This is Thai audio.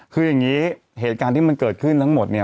คืออย่างนี้เหตุการณ์ที่มันเกิดขึ้นทั้งหมดเนี่ย